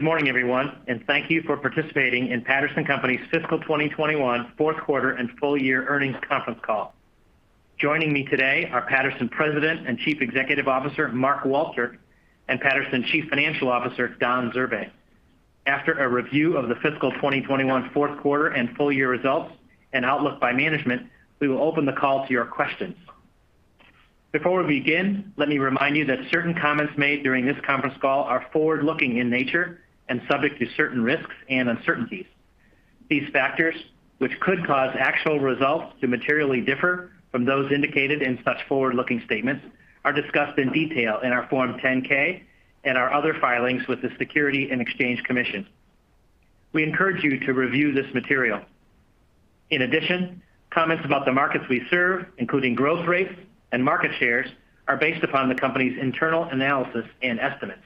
Good morning, everyone, and thank you for participating in Patterson Companies' Fiscal 2021 Fourth Quarter and Full Year Earnings Conference Call. Joining me today are Patterson President and Chief Executive Officer, Mark Walchirk, and Patterson Chief Financial Officer, Don Zurbay. After a review of the fiscal 2021 fourth quarter and full year results and outlook by management, we will open the call to your questions. Before we begin, let me remind you that certain comments made during this conference call are forward-looking in nature and subject to certain risks and uncertainties. These factors, which could cause actual results to materially differ from those indicated in such forward-looking statements, are discussed in detail in our Form 10-K and our other filings with the Securities and Exchange Commission. We encourage you to review this material. In addition, comments about the markets we serve, including growth rates and market shares, are based upon the company's internal analysis and estimates.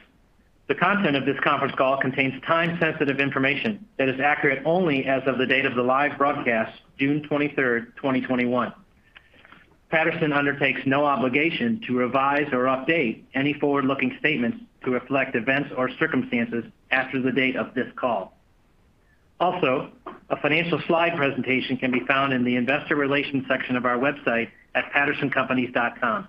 The content of this conference call contains time-sensitive information that is accurate only as of the date of the live broadcast, June 23rd, 2021. Patterson undertakes no obligation to revise or update any forward-looking statements to reflect events or circumstances after the date of this call. Also, a financial slide presentation can be found in the investor relations section of our website at pattersoncompanies.com.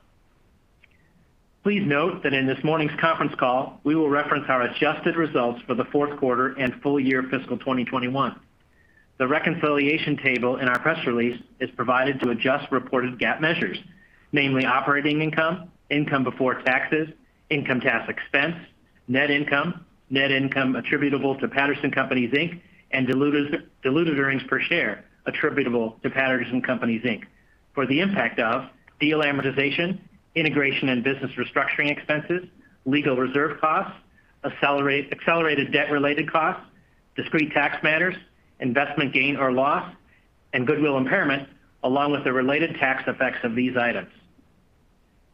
Please note that in this morning's conference call, we will reference our adjusted results for the fourth quarter and full-year fiscal 2021. The reconciliation table in our press release is provided to adjust reported GAAP measures, namely operating income before taxes, income tax expense, net income, net income attributable to Patterson Companies, Inc., and diluted earnings per share attributable to Patterson Companies, Inc., for the impact of deal amortization, integration and business restructuring expenses, legal reserve costs, accelerated debt related costs, discrete tax matters, investment gain or loss, and goodwill impairment, along with the related tax effects of these items.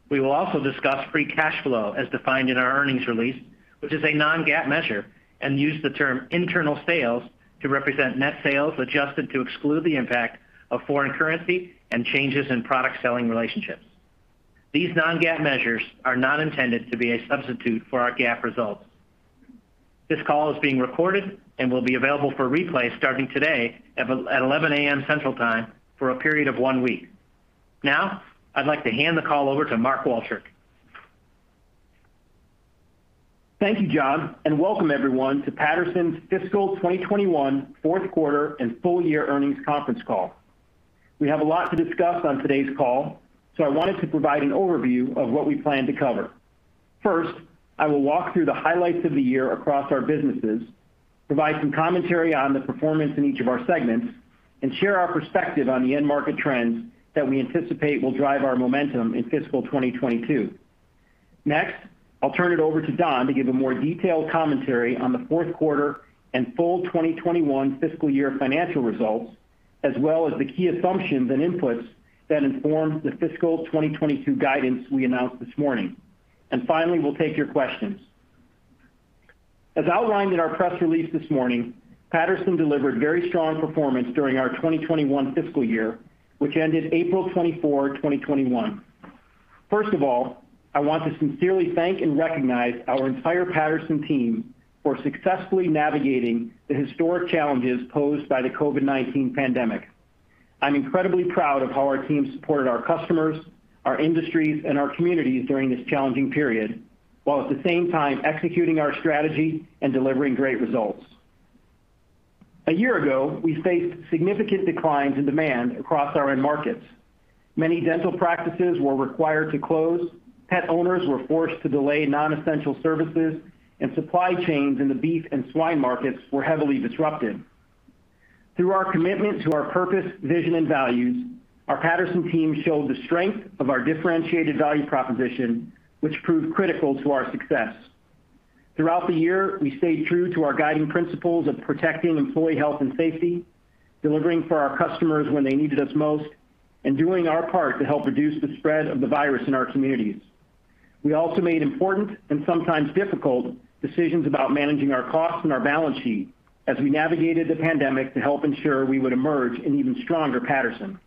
We will also discuss free cash flow as defined in our earnings release, which is a non-GAAP measure, and use the term internal sales to represent net sales adjusted to exclude the impact of foreign currency and changes in product selling relationships. These non-GAAP measures are not intended to be a substitute for our GAAP results. This call is being recorded and will be available for replay starting today at 11:00 A.M. Central Time for a period of one week. Now, I'd like to hand the call over to Mark Walchirk. Thank you, John, and welcome everyone to Patterson's Fiscal 2021 Fourth Quarter and Full Year Earnings Conference Call. We have a lot to discuss on today's call, so I wanted to provide an overview of what we plan to cover. First, I will walk through the highlights of the year across our businesses, provide some commentary on the performance in each of our segments, and share our perspective on the end market trends that we anticipate will drive our momentum in fiscal 2022. Next, I'll turn it over to Don to give a more detailed commentary on the fourth quarter and full 2021 fiscal year financial results, as well as the key assumptions and inputs that inform the fiscal 2022 guidance we announced this morning. Finally, we'll take your questions. As outlined in our press release this morning, Patterson delivered very strong performance during our 2021 fiscal year, which ended April 24, 2021. First of all, I want to sincerely thank and recognize our entire Patterson team for successfully navigating the historic challenges posed by the COVID-19 pandemic. I'm incredibly proud of how our team supported our customers, our industries, and our communities during this challenging period, while at the same time executing our strategy and delivering great results. A year ago, we faced significant declines in demand across our end markets. Many dental practices were required to close, pet owners were forced to delay non-essential services, and supply chains in the beef and swine markets were heavily disrupted. Through our commitment to our purpose, vision, and values, our Patterson team showed the strength of our differentiated value proposition, which proved critical to our success. Throughout the year, we stayed true to our guiding principles of protecting employee health and safety, delivering for our customers when they needed us most, and doing our part to help reduce the spread of the virus in our communities. We also made important and sometimes difficult decisions about managing our costs and our balance sheet as we navigated the pandemic to help ensure we would emerge an even stronger Patterson.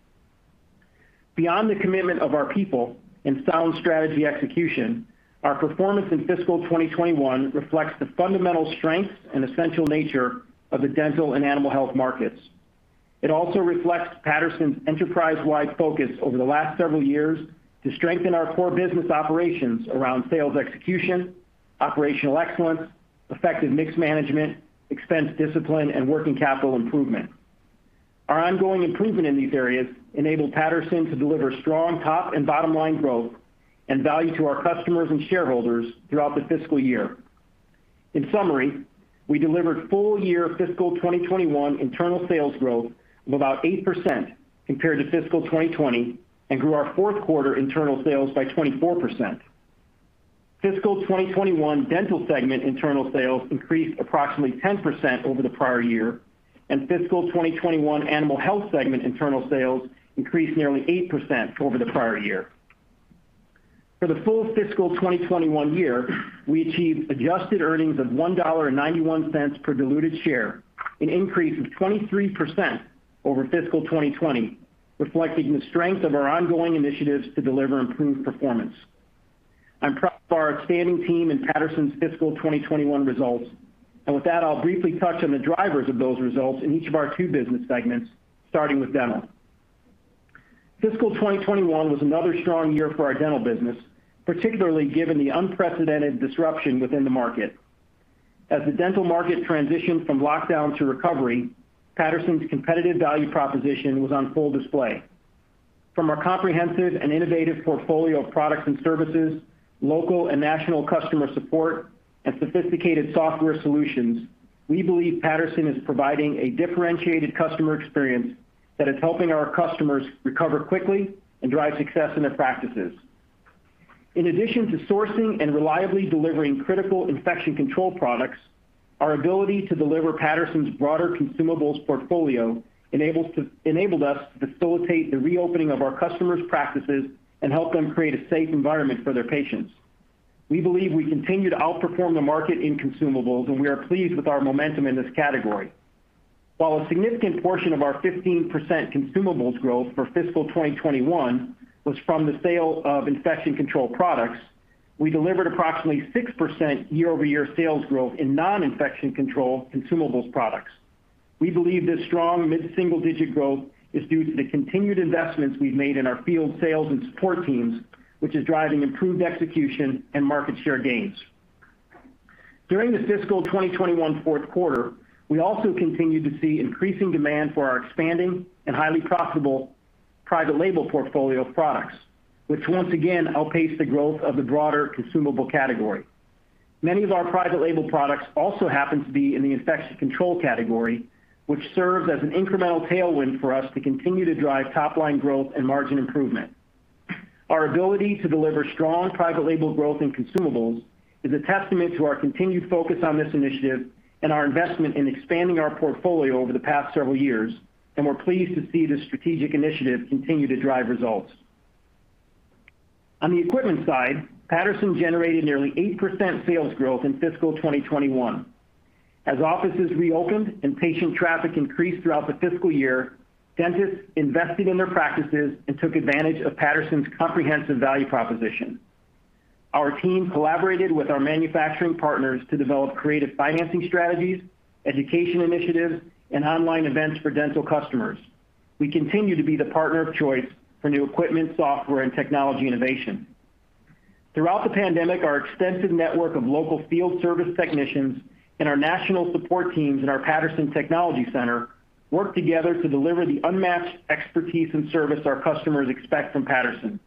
Beyond the commitment of our people and sound strategy execution, our performance in fiscal 2021 reflects the fundamental strength and essential nature of the Dental and Animal Health markets. It also reflects Patterson's enterprise-wide focus over the last several years to strengthen our core business operations around sales execution, operational excellence, effective mix management, expense discipline, and working capital improvement. Our ongoing improvement in these areas enabled Patterson to deliver strong top and bottom-line growth and value to our customers and shareholders throughout the fiscal year. In summary, we delivered full-year fiscal 2021 internal sales growth of about 8% compared to fiscal 2020 and grew our fourth quarter internal sales by 24%. Fiscal 2021 Dental segment internal sales increased approximately 10% over the prior-year, and fiscal 2021 Animal Health segment internal sales increased nearly 8% over the prior-year. For the full fiscal 2021 year, we achieved adjusted earnings of $1.91 per diluted share, an increase of 23% over fiscal 2020, reflecting the strength of our ongoing initiatives to deliver improved performance. I'm proud of our outstanding team and Patterson's fiscal 2021 results. With that, I'll briefly touch on the drivers of those results in each of our two business segments, starting with Dental. Fiscal 2021 was another strong year for our Dental business, particularly given the unprecedented disruption within the market. As the Dental market transitioned from lockdown to recovery, Patterson's competitive value proposition was on full display. From our comprehensive and innovative portfolio of products and services, local and national customer support, and sophisticated software solutions, we believe Patterson is providing a differentiated customer experience that is helping our customers recover quickly and drive success in their practices. In addition to sourcing and reliably delivering critical infection control products, our ability to deliver Patterson's broader consumables portfolio enabled us to facilitate the reopening of our customers' practices and help them create a safe environment for their patients. We believe we continue to outperform the market in consumables, and we are pleased with our momentum in this category. While a significant portion of our 15% consumables growth for fiscal 2021 was from the sale of infection control products, we delivered approximately 6% year-over-year sales growth in non-infection control consumables products. We believe this strong mid-single-digit growth is due to the continued investments we've made in our field sales and support teams, which is driving improved execution and market share gains. During the fiscal 2021 fourth quarter, we also continued to see increasing demand for our expanding and highly profitable private label portfolio of products, which once again outpaced the growth of the broader consumable category. Many of our private label products also happen to be in the infection control category, which serves as an incremental tailwind for us to continue to drive top-line growth and margin improvement. Our ability to deliver strong private label growth in consumables is a testament to our continued focus on this initiative and our investment in expanding our portfolio over the past several years, and we're pleased to see this strategic initiative continue to drive results. On the equipment side, Patterson generated nearly 8% sales growth in fiscal 2021. As offices reopened and patient traffic increased throughout the fiscal year, dentists invested in their practices and took advantage of Patterson's comprehensive value proposition. Our team collaborated with our manufacturing partners to develop creative financing strategies, education initiatives, and online events for Dental customers. We continue to be the partner of choice for new equipment, software, and technology innovation. Throughout the pandemic, our extensive network of local field service technicians and our national support teams in our Patterson Technology Center worked together to deliver the unmatched expertise and service our customers expect from Patterson.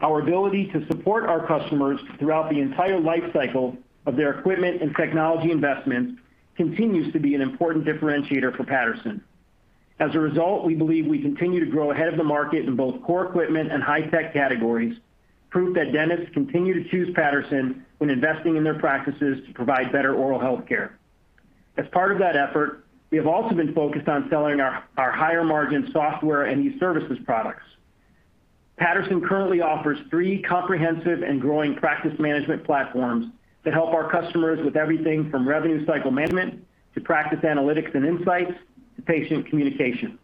Our ability to support our customers throughout the entire life cycle of their equipment and technology investments continues to be an important differentiator for Patterson. As a result, we believe we continue to grow ahead of the market in both core equipment and high tech categories, proof that dentists continue to choose Patterson when investing in their practices to provide better oral healthcare. As part of that effort, we have also been focused on selling our higher margin software and e-services products. Patterson currently offers three comprehensive and growing practice management platforms to help our customers with everything from revenue cycle management to practice analytics and insights to patient communication.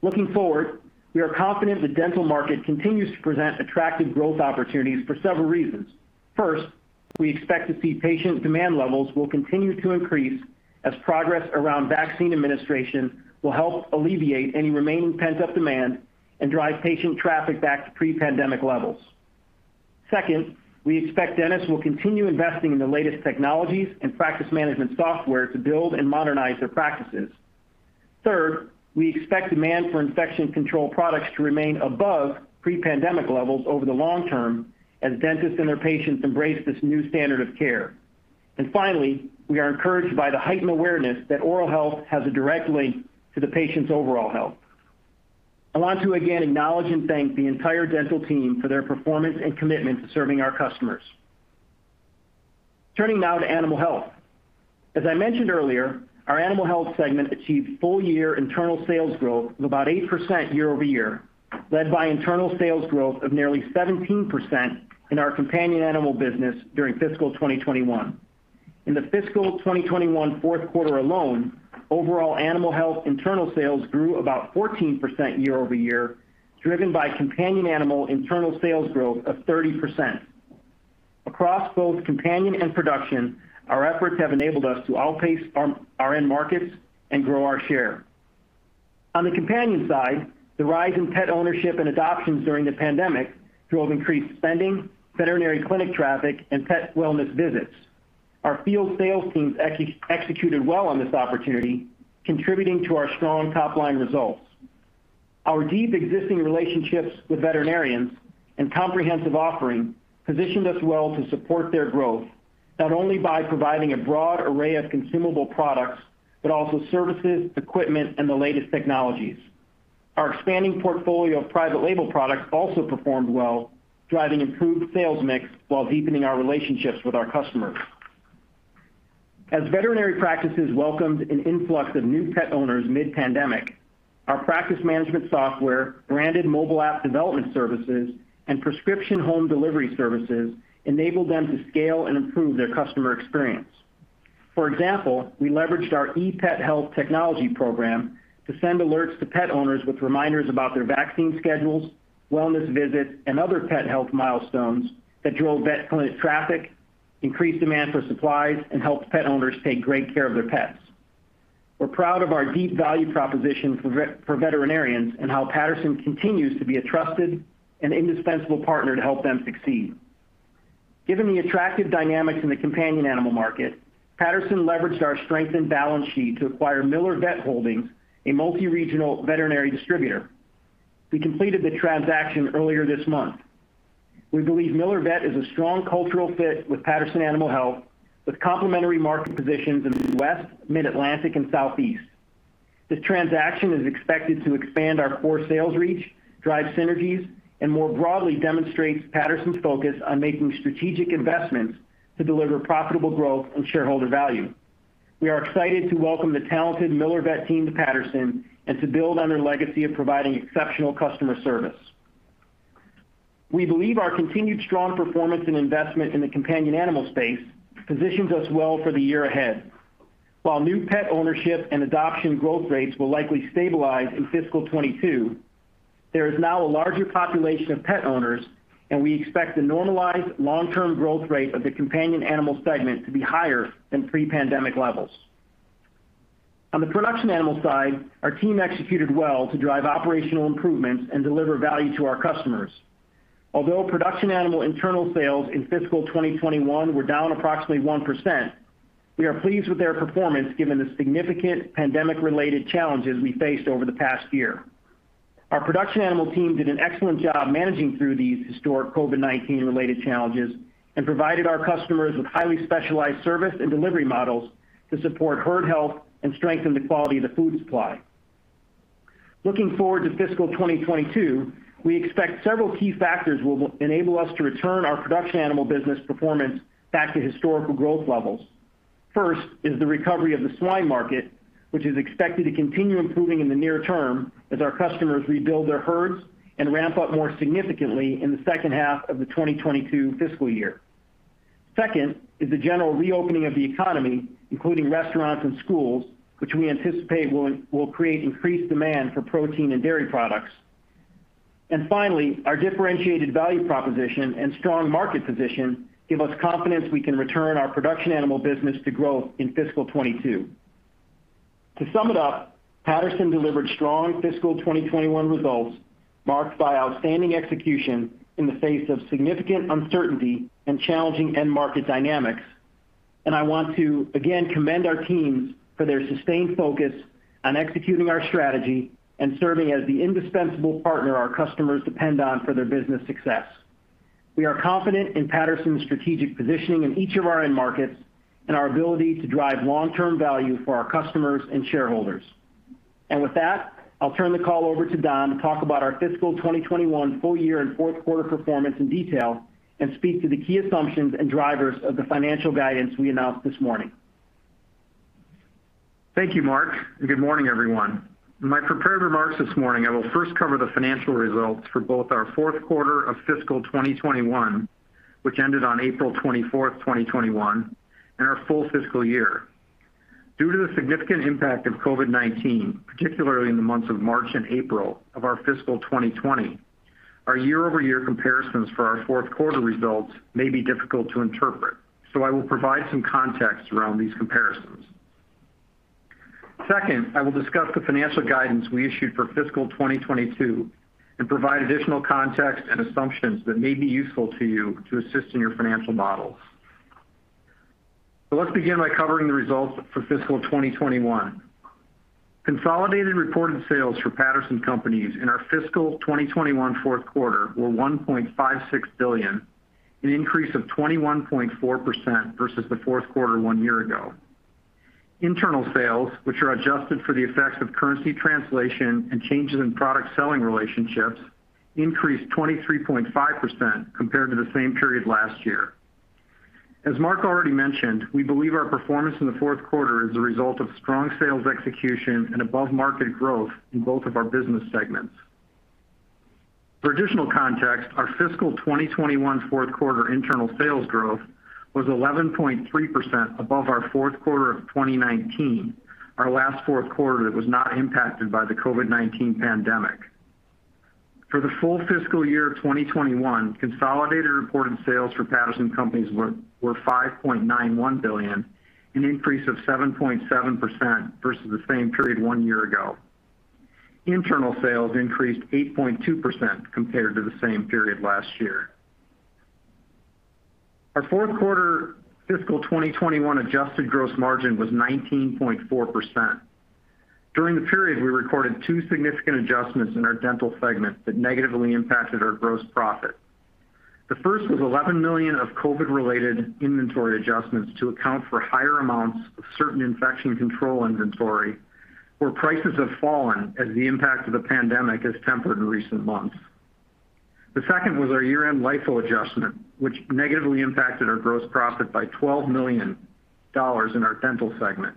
Looking forward, we are confident the Dental market continues to present attractive growth opportunities for several reasons. First, we expect to see patient demand levels will continue to increase as progress around vaccine administration will help alleviate any remaining pent-up demand and drive patient traffic back to pre-pandemic levels. Second, we expect dentists will continue investing in the latest technologies and practice management software to build and modernize their practices. Third, we expect demand for infection control products to remain above pre-pandemic levels over the long-term as dentists and their patients embrace this new standard of care. Finally, we are encouraged by the heightened awareness that oral health has a direct link to the patient's overall health. I want to again acknowledge and thank the entire Dental team for their performance and commitment to serving our customers. Turning now to Animal Health. As I mentioned earlier, our Animal Health segment achieved full-year internal sales growth of about 8% year-over-year, led by internal sales growth of nearly 17% in our Companion Animal business during fiscal 2021. In the fiscal 2021 fourth quarter alone, overall Animal Health internal sales grew about 14% year-over-year, driven by Companion Animal internal sales growth of 30%. Across both Companion and Production, our efforts have enabled us to outpace our end markets and grow our share. On the Companion side, the rise in pet ownership and adoptions during the pandemic drove increased spending, veterinary clinic traffic, and pet wellness visits. Our field sales teams executed well on this opportunity, contributing to our strong top-line results. Our deep existing relationships with veterinarians and comprehensive offering positioned us well to support their growth, not only by providing a broad array of consumable products, but also services, equipment, and the latest technologies. Our expanding portfolio of private label products also performed well, driving improved sales mix while deepening our relationships with our customers. As veterinary practices welcomed an influx of new pet owners mid-pandemic, our practice management software, branded mobile app development services, and prescription home delivery services enabled them to scale and improve their customer experience. For example, we leveraged our ePetHealth Technology program to send alerts to pet owners with reminders about their vaccine schedules, wellness visits, and other pet health milestones that drove vet clinic traffic, increased demand for supplies, and helped pet owners take great care of their pets. We're proud of our deep value proposition for veterinarians and how Patterson continues to be a trusted and indispensable partner to help them succeed. Given the attractive dynamics in the Companion Animal market, Patterson leveraged our strengthened balance sheet to acquire Miller Vet Holdings, a multi-regional veterinary distributor. We completed the transaction earlier this month. We believe Miller Vet is a strong cultural fit with Patterson Animal Health, with complementary market positions in the West, Mid-Atlantic, and Southeast. This transaction is expected to expand our core sales reach, drive synergies, and more broadly demonstrates Patterson's focus on making strategic investments to deliver profitable growth and shareholder value. We are excited to welcome the talented Miller Vet team to Patterson and to build on their legacy of providing exceptional customer service. We believe our continued strong performance and investment in the Companion Animal space positions us well for the year ahead. While new pet ownership and adoption growth rates will likely stabilize in fiscal 2022, there is now a larger population of pet owners, and we expect the normalized long-term growth rate of the Companion Animal segment to be higher than pre-pandemic levels. On the Production Animal side, our team executed well to drive operational improvements and deliver value to our customers. Although Production Animal internal sales in fiscal 2021 were down approximately 1%, we are pleased with their performance given the significant pandemic-related challenges we faced over the past year. Our Production Animal team did an excellent job managing through these historic COVID-19-related challenges and provided our customers with highly specialized service and delivery models to support herd health and strengthen the quality of the food supply. Looking forward to fiscal 2022, we expect several key factors will enable us to return our Production Animal business performance back to historical growth levels. First is the recovery of the swine market, which is expected to continue improving in the near-term as our customers rebuild their herds and ramp-up more significantly in the second half of the 2022 fiscal year. Second is the general reopening of the economy, including restaurants and schools, which we anticipate will create increased demand for protein and dairy products. Finally, our differentiated value proposition and strong market position give us confidence we can return our Production Animal business to growth in fiscal 2022. To sum it up, Patterson delivered strong fiscal 2021 results marked by outstanding execution in the face of significant uncertainty and challenging end market dynamics. I want to again commend our teams for their sustained focus on executing our strategy and serving as the indispensable partner our customers depend on for their business success. We are confident in Patterson's strategic positioning in each of our end markets and our ability to drive long-term value for our customers and shareholders. With that, I'll turn the call over to Don to talk about our fiscal 2021 full-year and fourth quarter performance in detail and speak to the key assumptions and drivers of the financial guidance we announced this morning. Thank you, Mark. Good morning, everyone. In my prepared remarks this morning, I will first cover the financial results for both our fourth quarter of fiscal 2021, which ended on April 24th, 2021, and our full fiscal year. Due to the significant impact of COVID-19, particularly in the months of March and April of our fiscal 2020, our year-over-year comparisons for our fourth quarter results may be difficult to interpret, so I will provide some context around these comparisons. Second, I will discuss the financial guidance we issued for fiscal 2022 and provide additional context and assumptions that may be useful to you to assist in your financial models. Let's begin by covering the results for fiscal 2021. Consolidated reported sales for Patterson Companies in our fiscal 2021 fourth quarter were $1.56 billion, an increase of 21.4% versus the fourth quarter one year ago. Internal sales, which are adjusted for the effects of currency translation and changes in product selling relationships, increased 23.5% compared to the same period last year. As Mark already mentioned, we believe our performance in the fourth quarter is a result of strong sales execution and above-market growth in both of our business segments. For additional context, our fiscal 2021's fourth quarter internal sales growth was 11.3% above our fourth quarter of 2019, our last fourth quarter that was not impacted by the COVID-19 pandemic. For the full fiscal year of 2021, consolidated reported sales for Patterson Companies were $5.91 billion, an increase of 7.7% versus the same period one year ago. Internal sales increased 8.2% compared to the same period last year. Our fourth quarter fiscal 2021 adjusted gross margin was 19.4%. During the period, we recorded two significant adjustments in our Dental segment that negatively impacted our gross profit. The first was $11 million of COVID-related inventory adjustments to account for higher amounts of certain infection control inventory, where prices have fallen as the impact of the pandemic has tempered in recent months. The second was our year-end LIFO adjustment, which negatively impacted our gross profit by $12 million in our Dental segment.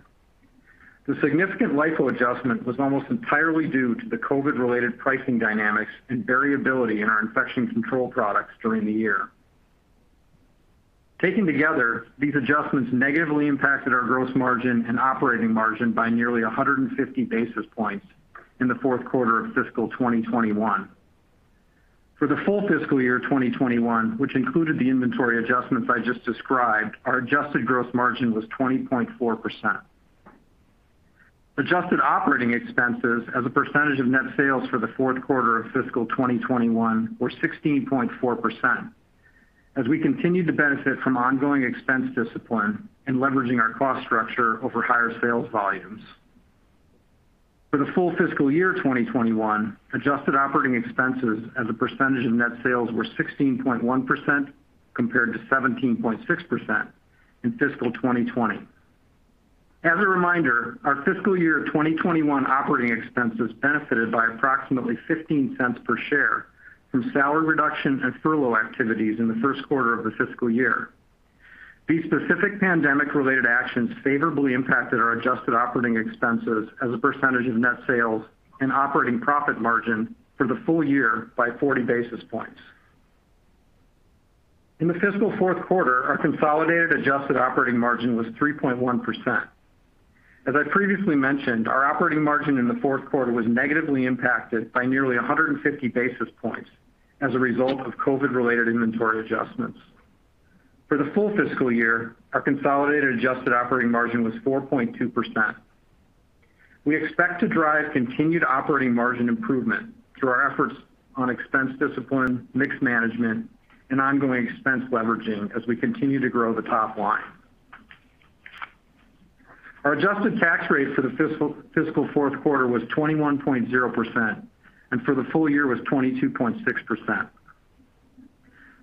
The significant LIFO adjustment was almost entirely due to the COVID-related pricing dynamics and variability in our infection control products during the year. Taken together, these adjustments negatively impacted our gross margin and operating margin by nearly 150 basis points in the fourth quarter of fiscal 2021. For the full fiscal year 2021, which included the inventory adjustments I just described, our adjusted gross margin was 20.4%. Adjusted operating expenses as a percentage of net sales for the fourth quarter of fiscal 2021 were 16.4%, as we continued to benefit from ongoing expense discipline and leveraging our cost structure over higher sales volumes. For the full fiscal year 2021, adjusted operating expenses as a percentage of net sales were 16.1% compared to 17.6% in fiscal 2020. As a reminder, our fiscal year 2021 operating expenses benefited by approximately $0.15 per share from salary reduction and furlough activities in the first quarter of the fiscal year. These specific pandemic-related actions favorably impacted our adjusted operating expenses as a percentage of net sales and operating profit margin for the full-year by 40 basis points. In the fiscal fourth quarter, our consolidated adjusted operating margin was 3.1%. As I previously mentioned, our operating margin in the fourth quarter was negatively impacted by nearly 150 basis points as a result of COVID-related inventory adjustments. For the full fiscal year, our consolidated adjusted operating margin was 4.2%. We expect to drive continued operating margin improvement through our efforts on expense discipline, mix management, and ongoing expense leveraging as we continue to grow the top-line. Our adjusted tax rate for the fiscal fourth quarter was 21.0%, and for the full-year was 22.6%.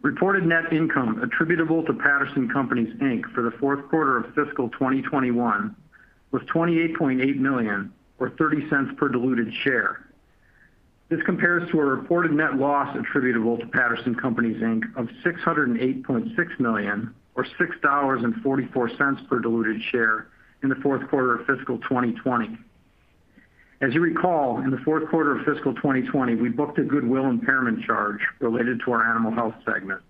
Reported net income attributable to Patterson Companies, Inc. for the fourth quarter of fiscal 2021 was $28.8 million, or $0.30 per diluted share. This compares to a reported net loss attributable to Patterson Companies, Inc. of $608.6 million, or $6.44 per diluted share in the fourth quarter of fiscal 2020. As you recall, in the fourth quarter of fiscal 2020, we booked a goodwill impairment charge related to our Animal Health segment.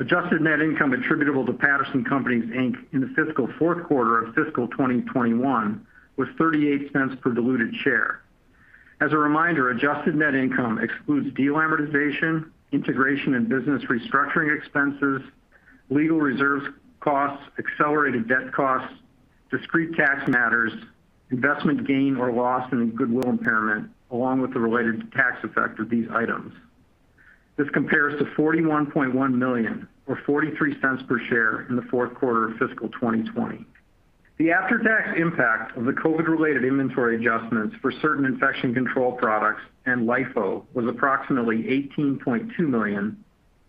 Adjusted net income attributable to Patterson Companies, Inc. in the fiscal fourth quarter of fiscal 2021 was $0.38 per diluted share. As a reminder, adjusted net income excludes deal amortization, integration and business restructuring expenses, legal reserve costs, accelerated debt costs, discrete tax matters, investment gain or loss in goodwill impairment, along with the related tax effect of these items. This compares to $41.1 million, or $0.43 per share in the fourth quarter of fiscal 2020. The after-tax impact of the COVID-related inventory adjustments for certain infection control products and LIFO was approximately $18.2 million,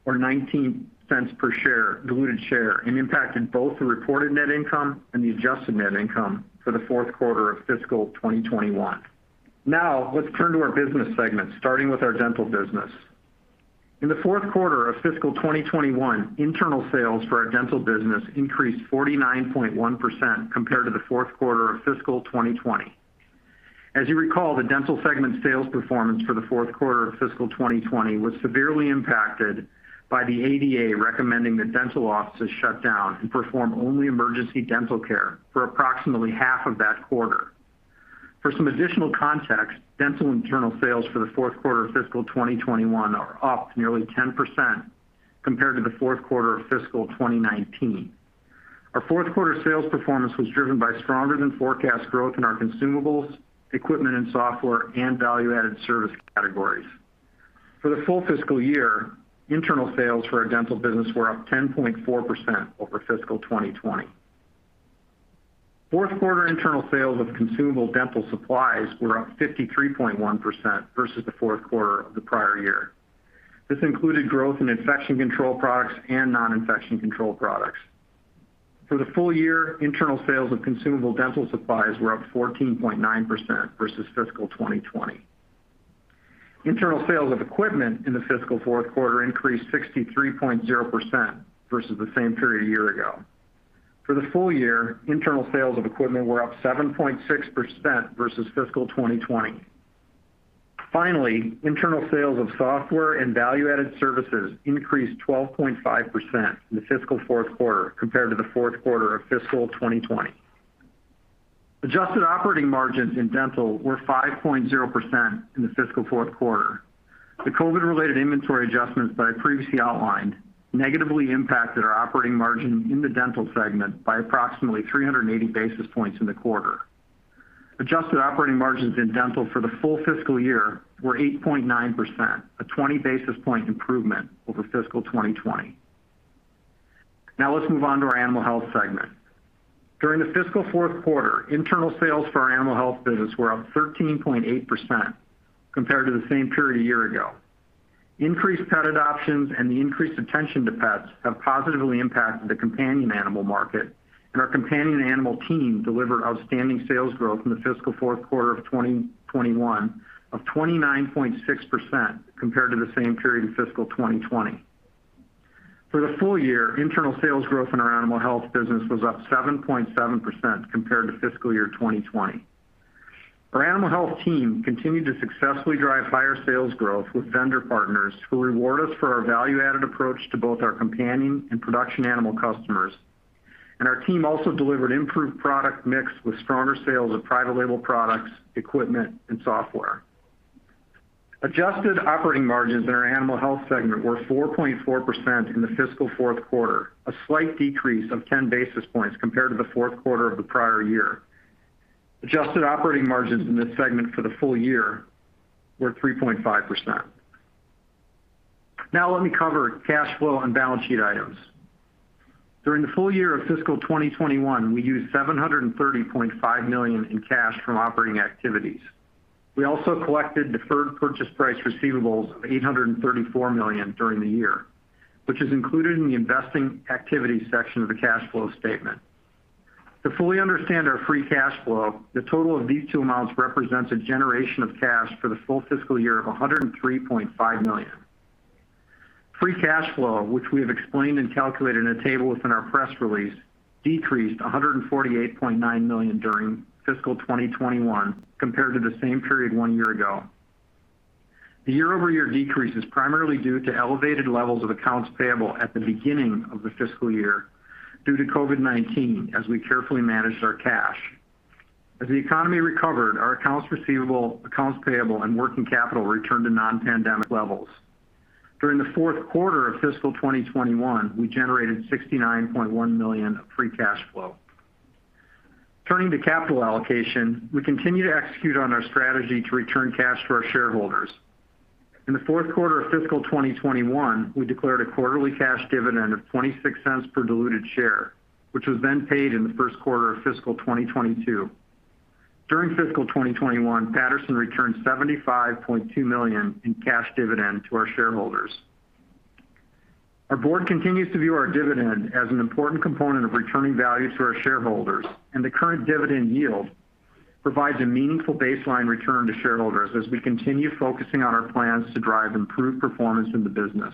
or $0.19 per diluted share, and impacted both the reported net income and the adjusted net income for the fourth quarter of fiscal 2021. Let's turn to our business segments, starting with our Dental business. In the fourth quarter of fiscal 2021, internal sales for our Dental business increased 49.1% compared to the fourth quarter of fiscal 2020. As you recall, the Dental segment sales performance for the fourth quarter of fiscal 2020 was severely impacted by the ADA recommending that dental offices shut down and perform only emergency dental care for approximately half of that quarter. For some additional context, Dental internal sales for the fourth quarter of fiscal 2021 are up nearly 10% compared to the fourth quarter of fiscal 2019. Our fourth quarter sales performance was driven by stronger than forecast growth in our consumables, equipment and software, and value-added service categories. For the full fiscal year, internal sales for our Dental business were up 10.4% over fiscal 2020. Fourth quarter internal sales of consumable dental supplies were up 53.1% versus the fourth quarter of the prior-year. This included growth in infection control products and non-infection control products. For the full-year, internal sales of consumable dental supplies were up 14.9% versus fiscal 2020. Internal sales of equipment in the fiscal fourth quarter increased 63.0% versus the same period a year ago. For the full year, internal sales of equipment were up 7.6% versus fiscal 2020. Finally, internal sales of software and value-added services increased 12.5% in the fiscal fourth quarter compared to the fourth quarter of fiscal 2020. Adjusted operating margins in Dental were 5.0% in the fiscal fourth quarter. The COVID-related inventory adjustments that I previously outlined negatively impacted our operating margin in the Dental segment by approximately 380 basis points in the quarter. Adjusted operating margins in Dental for the full fiscal year were 8.9%, a 20 basis point improvement over fiscal 2020. Let's move on to our Animal Health segment. During the fiscal fourth quarter, internal sales for our Animal Health business were up 13.8% compared to the same period a year ago. Increased pet adoptions and the increased attention to pets have positively impacted the Companion Animal market, and our Companion Animal team delivered outstanding sales growth in the fiscal fourth quarter of 2021 of 29.6% compared to the same period in fiscal 2020. For the full-year, internal sales growth in our Animal Health business was up 7.7% compared to fiscal year 2020. Our Animal Health team continued to successfully drive higher sales growth with vendor partners who reward us for our value-added approach to both our Companion and Production Animal customers. Our team also delivered improved product mix with stronger sales of private label products, equipment, and software. Adjusted operating margins in our Animal Health Segment were 4.4% in the fiscal fourth quarter, a slight decrease of 10 basis points compared to the fourth quarter of the prior-year. Adjusted operating margins in this segment for the full-year were 3.5%. Let me cover cash flow and balance sheet items. During the full-year of fiscal 2021, we used $730.5 million in cash from operating activities. We also collected deferred purchase price receivables of $834 million during the year, which is included in the investing activities section of the cash flow statement. To fully understand our free cash flow, the total of these two amounts represents a generation of cash for the full fiscal year of $103.5 million. Free cash flow, which we have explained and calculated in a table within our press release, decreased $148.9 million during fiscal 2021 compared to the same period one year ago. The year-over-year decrease is primarily due to elevated levels of accounts payable at the beginning of the fiscal year due to COVID-19, as we carefully managed our cash. As the economy recovered, our accounts receivable, accounts payable, and working capital returned to non-pandemic levels. During the fourth quarter of fiscal 2021, we generated $69.1 million of free cash flow. Turning to capital allocation, we continue to execute on our strategy to return cash to our shareholders. In the fourth quarter of fiscal 2021, we declared a quarterly cash dividend of $0.26 per diluted share, which was then paid in the first quarter of fiscal 2022. During fiscal 2021, Patterson returned $75.2 million in cash dividend to our shareholders. Our Board continues to view our dividend as an important component of returning value to our shareholders, and the current dividend yield provides a meaningful baseline return to shareholders as we continue focusing on our plans to drive improved performance in the business.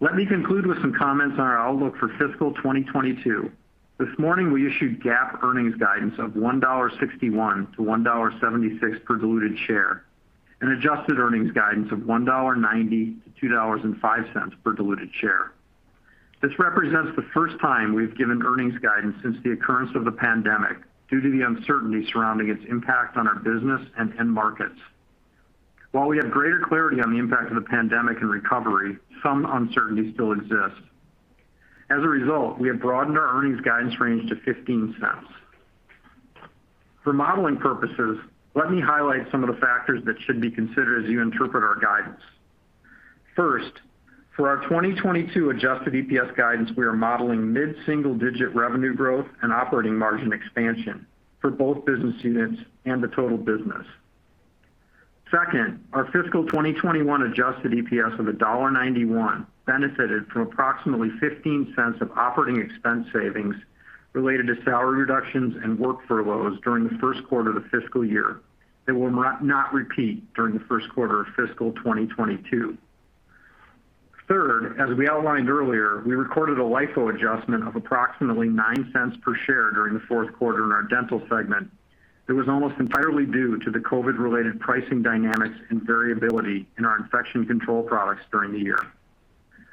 Let me conclude with some comments on our outlook for fiscal 2022. This morning, we issued GAAP earnings guidance of $1.61-$1.76 per diluted share, and adjusted earnings guidance of $1.90-$2.05 per diluted share. This represents the first time we've given earnings guidance since the occurrence of the pandemic, due to the uncertainty surrounding its impact on our business and end markets. While we have greater clarity on the impact of the pandemic and recovery, some uncertainty still exists. As a result, we have broadened our earnings guidance range to $0.15. For modeling purposes, let me highlight some of the factors that should be considered as you interpret our guidance. First, for our 2022 adjusted EPS guidance, we are modeling mid-single-digit revenue growth and operating margin expansion for both business units and the total business. Second, our fiscal 2021 adjusted EPS of $1.91 benefited from approximately $0.15 of operating expense savings related to salary reductions and work furloughs during the first quarter of the fiscal year, that will not repeat during the first quarter of fiscal 2022. Third, as we outlined earlier, we recorded a LIFO adjustment of approximately $0.09 per share during the fourth quarter in our Dental Segment, that was almost entirely due to the COVID-related pricing dynamics and variability in our infection control products during the year.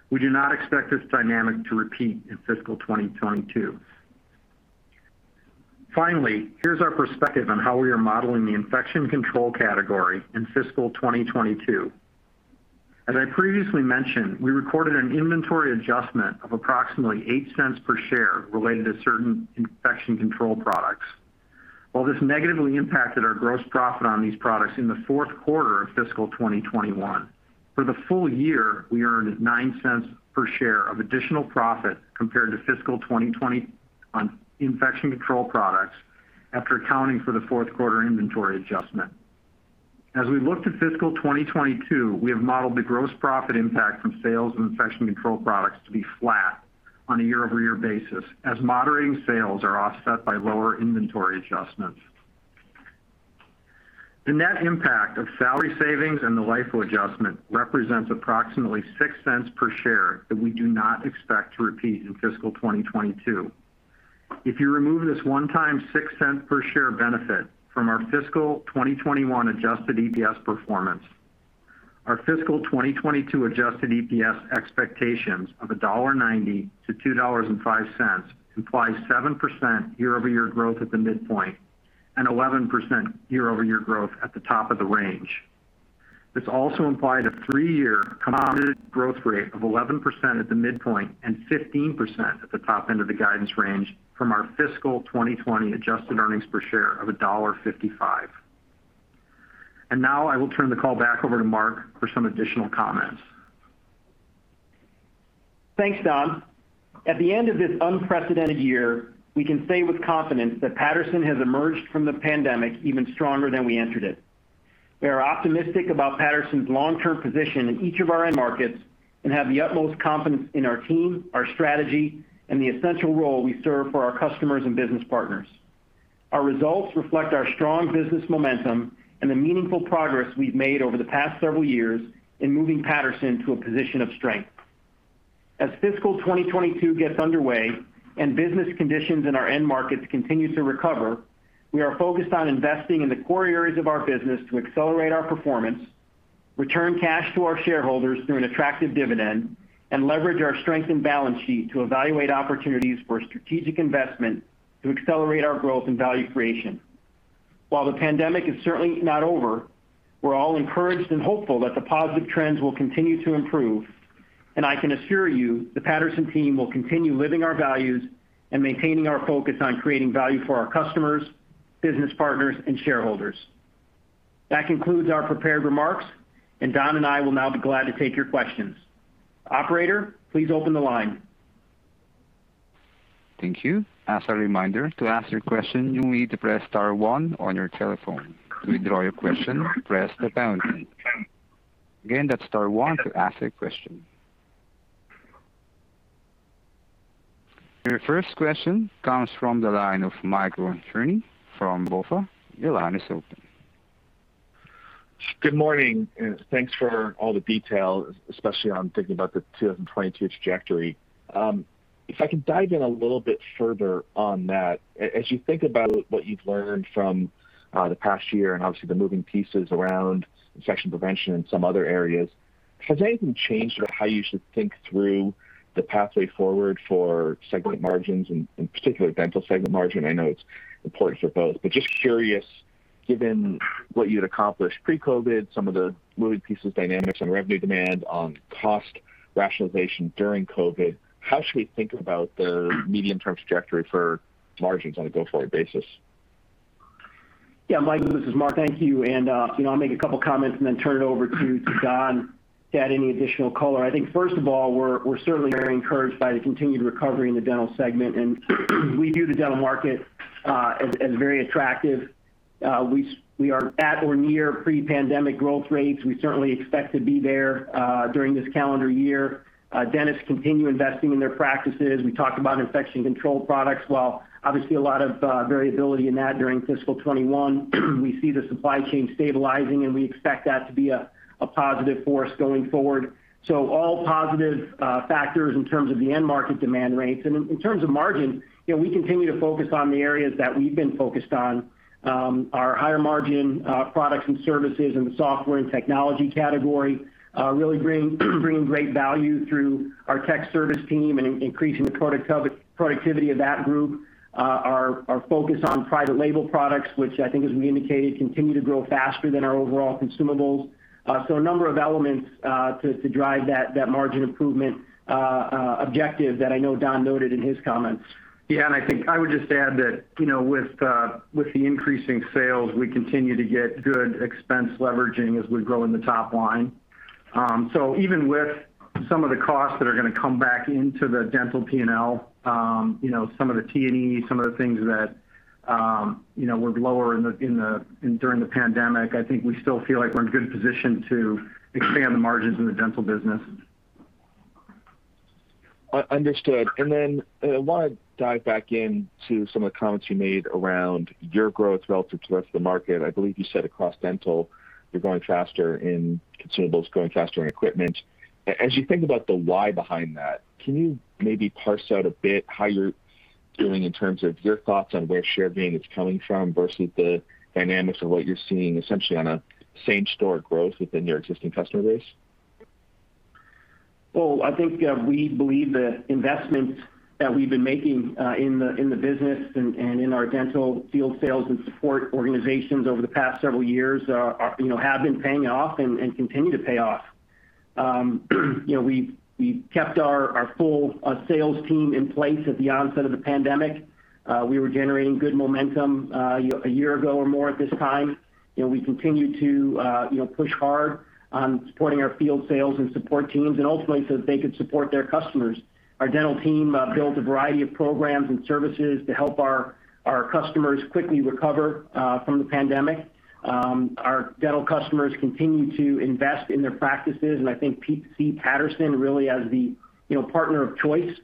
We do not expect this dynamic to repeat in fiscal 2022. Finally, here's our perspective on how we are modeling the infection control category in fiscal 2022. As I previously mentioned, we recorded an inventory adjustment of approximately $0.08 per share related to certain infection control products. While this negatively impacted our gross profit on these products in the fourth quarter of fiscal 2021, for the full-year, we earned $0.09 per share of additional profit compared to fiscal 2020 on infection control products, after accounting for the fourth quarter inventory adjustment. As we look to fiscal 2022, we have modeled the gross profit impact from sales of infection control products to be flat on a year-over-year basis, as moderating sales are offset by lower inventory adjustments. The net impact of salary savings and the LIFO adjustment represents approximately $0.06 per share that we do not expect to repeat in fiscal 2022. If you remove this one-time $0.06 per share benefit from our fiscal 2021 adjusted EPS performance, our fiscal 2022 adjusted EPS expectations of $1.90-$2.05 implies 7% year-over-year growth at the midpoint, and 11% year-over-year growth at the top of the range. This also implied a three-year compounded growth rate of 11% at the midpoint and 15% at the top-end of the guidance range from our fiscal 2020 adjusted earnings per share of $1.55. Now I will turn the call back over to Mark for some additional comments. Thanks, Don. At the end of this unprecedented year, we can say with confidence that Patterson has emerged from the pandemic even stronger than we entered it. We are optimistic about Patterson's long-term position in each of our end markets and have the utmost confidence in our team, our strategy, and the essential role we serve for our customers and business partners. Our results reflect our strong business momentum and the meaningful progress we've made over the past several years in moving Patterson to a position of strength. As fiscal 2022 gets underway and business conditions in our end markets continue to recover, we are focused on investing in the core areas of our business to accelerate our performance, return cash to our shareholders through an attractive dividend, and leverage our strength and balance sheet to evaluate opportunities for strategic investment to accelerate our growth and value creation. While the pandemic is certainly not over, we're all encouraged and hopeful that the positive trends will continue to improve, and I can assure you, the Patterson team will continue living our values and maintaining our focus on creating value for our customers, business partners, and shareholders. That concludes our prepared remarks. Don and I will now be glad to take your questions. Operator, please open the line. Thank you. As a reminder, to ask your question, you will need to press star one on your telephone. To withdraw your question, press the pound key. Again, that's star one to ask a question. Your first question comes from the line of Michael Cherny from BofA. Your line is open. Good morning, and thanks for all the detail, especially on thinking about the 2022 trajectory. If I can dive in a little bit further on that. As you think about what you've learned from the past year and obviously the moving pieces around infection prevention and some other areas, has anything changed or how you should think through the pathway forward for segment margins, in particular Dental segment margin? I know it's important for both. Just curious, given what you'd accomplished pre-COVID, some of the moving pieces, dynamics, and revenue demand on cost rationalization during COVID, how should we think about the medium-term trajectory for margins on a go forward basis? Yeah, Michael, this is Mark. Thank you. I'll make a couple comments and then turn it over to Don to add any additional color. I think first of all, we're certainly very encouraged by the continued recovery in the Dental segment, and we view the Dental market as very attractive. We are at or near pre-pandemic growth rates. We certainly expect to be there during this calendar year. Dentists continue investing in their practices. We talked about infection control products. While obviously a lot of variability in that during fiscal 2021, we see the supply chain stabilizing, and we expect that to be a positive force going forward. All positive factors in terms of the end market demand rates. In terms of margin, we continue to focus on the areas that we've been focused on. Our higher margin products and services in the software and technology category really bring great value through our tech service team and increasing the productivity of that group. Our focus on private label products, which I think as we indicated, continue to grow faster than our overall consumables. A number of elements to drive that margin improvement objective that I know Don noted in his comments. Yeah, I think I would just add that with the increasing sales, we continue to get good expense leveraging as we grow in the top-line. Even with some of the costs that are going to come back into the Dental P&L, some of the T&E, some of the things that were lower during the pandemic, I think we still feel like we're in a good position to expand the margins in the Dental business. Understood. I want to dive back into some of the comments you made around your growth relative to the rest of the market. I believe you said across Dental, you're growing faster in consumables, growing faster in equipment. As you think about the why behind that, can you maybe parse out a bit how you're doing in terms of your thoughts on where share gain is coming from versus the dynamics of what you're seeing essentially on a same store growth within your existing customer base? Well, I think that we believe the investments that we've been making in the business and in our dental field sales and support organizations over the past several years have been paying off and continue to pay off. We kept our full sales team in place at the onset of the pandemic. We were generating good momentum a year ago or more at this time. We continue to push hard on supporting our field sales and support teams. Ultimately so they can support their customers. Our Dental team built a variety of programs and services to help our customers quickly recover from the pandemic. Our Dental customers continue to invest in their practices. I think see Patterson really as the partner of choice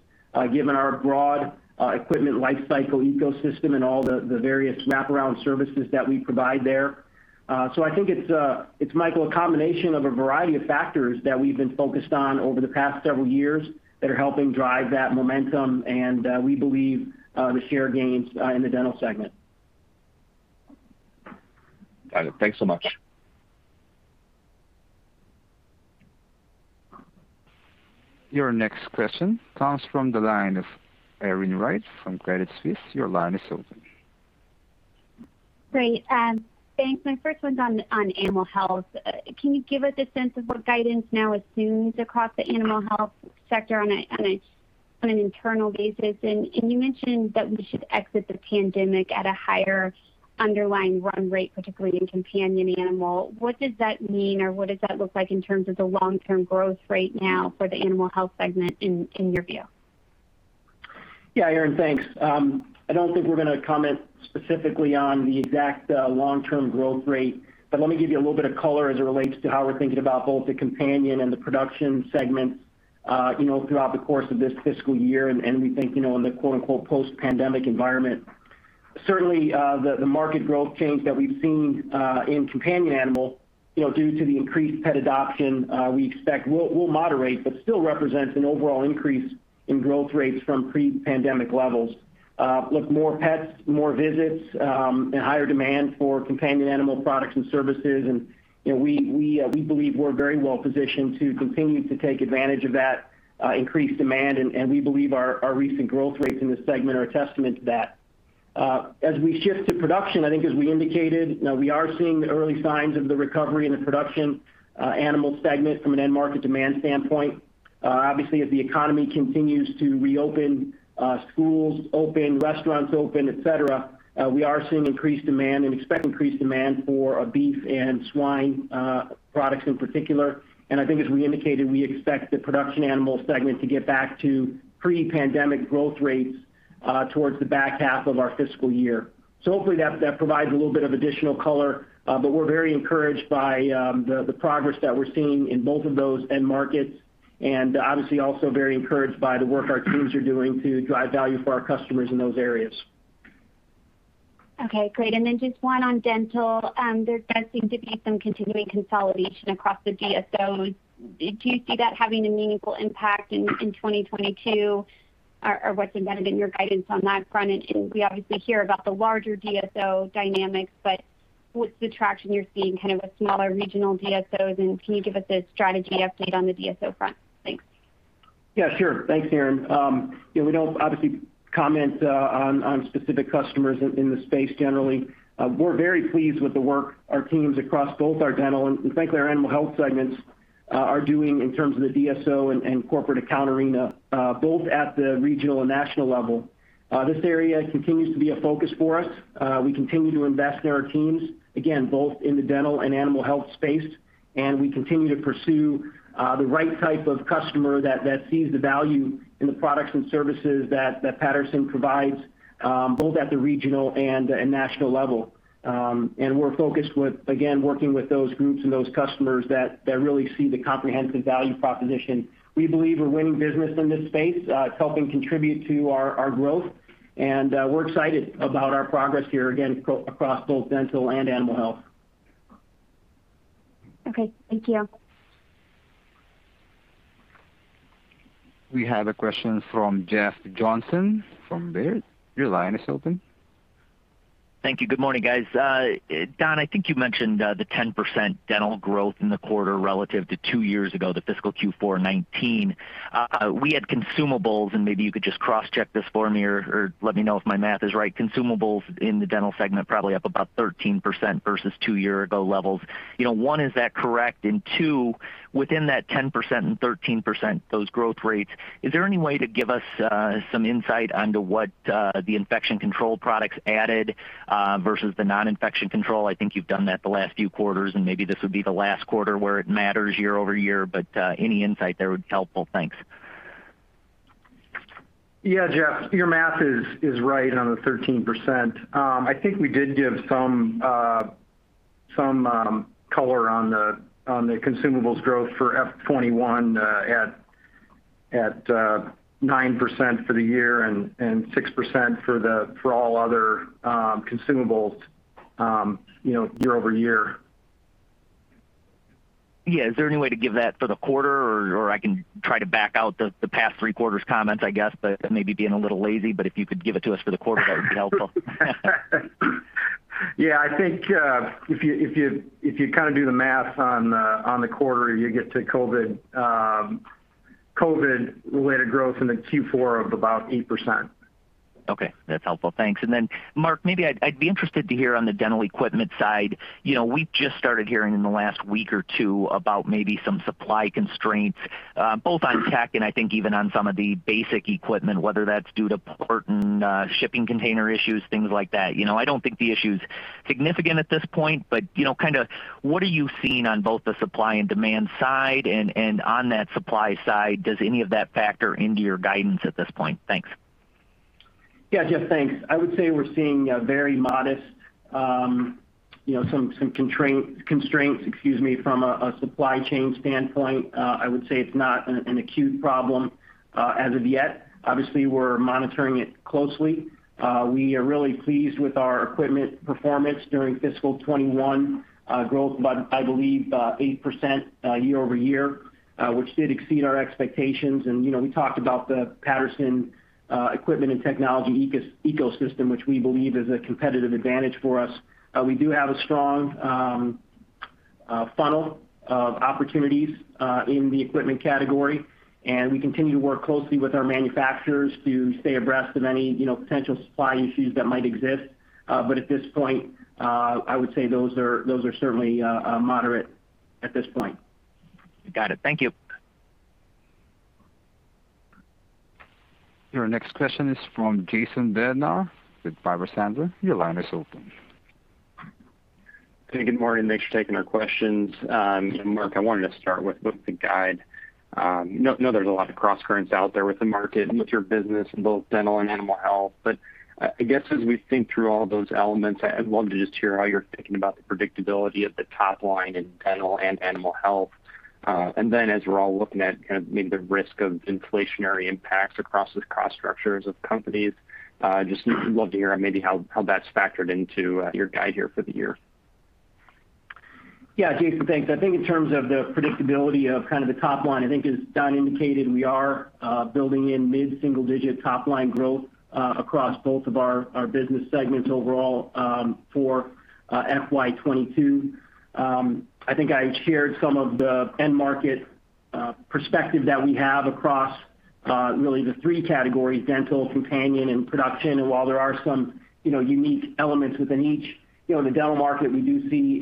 given our broad equipment life cycle ecosystem and all the various wraparound services that we provide there. I think it's, Michael, a combination of a variety of factors that we've been focused on over the past several years that are helping drive that momentum and we believe the share gains in the Dental segment. Got it. Thanks so much. Your next question comes from the line of Erin Wright from Credit Suisse. Your line is open. Great. Thanks. My first one's on Animal Health. Can you give us a sense of what guidance now assumes across the Animal Health sector on an internal basis? You mentioned that we should exit the pandemic at a higher underlying run-rate, particularly in Companion Animal. What does that mean, or what does that look like in terms of the long-term growth rate now for the Animal Health segment in your view? Yeah, Erin, thanks. I don't think we're going to comment specifically on the exact long-term growth rate. Let me give you a little bit of color as it relates to how we're thinking about both the Companion and the Production segments. Throughout the course of this fiscal year, and we think in the "post-pandemic environment," certainly, the market growth change that we've seen in Companion Animal due to the increased pet adoption, we expect will moderate, but still represents an overall increase in growth rates from pre-pandemic levels. With more pets, more visits, and higher demand for Companion Animal products and services, we believe we're very well positioned to continue to take advantage of that increased demand, and we believe our recent growth rates in this segment are a testament to that. As we shift to Production, I think as we indicated, we are seeing the early signs of the recovery in the Production Animal segment from an end market demand standpoint. Obviously, as the economy continues to reopen schools, open restaurants, open etc, we are seeing increased demand and expect increased demand for beef and swine products in particular. I think as we indicated, we expect the Production Animal segment to get back to pre-pandemic growth rates towards the back half of our fiscal year. Hopefully that provides a little bit of additional color. We're very encouraged by the progress that we're seeing in both of those end markets, and obviously also very encouraged by the work our teams are doing to drive value for our customers in those areas. Okay, great. Then just one on Dental. There does seem to be some continuing consolidation across the DSOs. Do you see that having a meaningful impact in 2022 or what's embedded in your guidance on that front? We obviously hear about the larger DSO dynamics, but what's the traction you're seeing with smaller regional DSOs, and can you give us a strategy update on the DSO front? Thanks. Yeah, sure. Thanks, Erin. We don't obviously comment on specific customers in the space generally. We're very pleased with the work our teams across both our Dental and frankly, our Animal Health segments are doing in terms of the DSO and corporate account arena both at the regional and national level. This area continues to be a focus for us. We continue to invest in our teams, again, both in the Dental and Animal Health space, we continue to pursue the right type of customer that sees the value in the products and services that Patterson provides both at the regional and national level. We're focused with, again, working with those groups and those customers that really see the comprehensive value proposition. We believe we're winning business in this space. It's helping contribute to our growth, and we're excited about our progress here again across both Dental and Animal Health. Okay. Thank you. We have a question from Jeff Johnson from Baird. Your line is open. Thank you. Good morning, guys. Don, I think you mentioned the 10% Dental growth in the quarter relative to two years ago, the fiscal Q4 2019. We had consumables, and maybe you could just cross-check this for me or let me know if my math is right. Consumables in the Dental segment probably up about 13% versus two year ago levels. One, is that correct? Two, within that 10% and 13%, those growth rates, is there any way to give us some insight onto what the infection control products added versus the non-infection control? I think you've done that the last few quarters, and maybe this would be the last quarter where it matters year-over-year, but any insight there would be helpful. Thanks. Yeah, Jeff. Your math is right on the 13%. I think we did give some color on the consumables growth for F 2021 at 9% for the year and 6% for all other consumables year-over-year. Yeah. Is there any way to give that for the quarter or I can try to back out the past three quarters comments, I guess, but maybe being a little lazy, but if you could give it to us for the quarter, that would be helpful. Yeah, I think if you do the math on the quarter, you get to COVID-related growth in the Q4 of about 8%. Okay, that's helpful. Thanks. Then Mark, maybe I'd be interested to hear on the dental equipment side. We've just started hearing in the last week or two about maybe some supply constraints both on tech and I think even on some of the basic equipment, whether that's due to port and shipping container issues, things like that. I don't think the issue's significant at this point, but what are you seeing on both the supply and demand side, and on that supply side, does any of that factor into your guidance at this point? Thanks. Yeah, Jeff, thanks. I would say we're seeing some constraints from a supply chain standpoint. I would say it's not an acute problem as of yet. Obviously, we're monitoring it closely. We are really pleased with our equipment performance during fiscal 2021, growth by, I believe, 8% year-over-year, which did exceed our expectations. We talked about the Patterson equipment and technology ecosystem, which we believe is a competitive advantage for us. We do have a strong funnel of opportunities in the equipment category, and we continue to work closely with our manufacturers to stay abreast of any potential supply issues that might exist. At this point, I would say those are certainly moderate at this point. Got it. Thank you. Your next question is from Jason Bednar with Piper Sandler. Your line is open. Hey, good morning. Thanks for taking our questions. Mark, I wanted to start with the guide. I know there's a lot of cross-currents out there with the market and with your business in both Dental and Animal Health. I guess as we think through all those elements, I'd love to just hear how you're thinking about the predictability of the top-line in Dental and Animal Health. As we're all looking at maybe the risk of inflationary impacts across the cost structures of companies, just would love to hear maybe how that's factored into your guide here for the year. Yeah, Jason, thanks. I think in terms of the predictability of the top-line, I think as Don indicated, we are building in mid-single-digit top-line growth across both of our business segments overall for FY 2022. I think I shared some of the end market perspective that we have across really the three categories, Dental, Companion, and Production. While there are some unique elements within each, in the Dental market, we do see